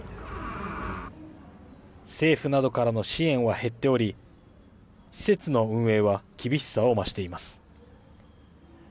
政府などからの支援は減っており、施設の運営は厳しさを増しています。